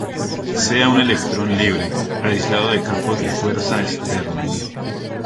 Sea un electrón "libre" aislado de campos de fuerza externos.